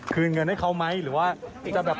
ขืนเงินให้เขาไหมหรือว่าจะเปิดร้านต่อครับ